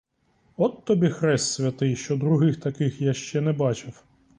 От тобі хрест святий, що других таких я ще не бачив!